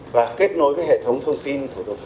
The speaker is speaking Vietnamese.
và kết nối với hệ thống thông tin